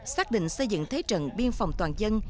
xác định xây dựng thế trận biên phòng toàn dân